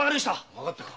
わかったか？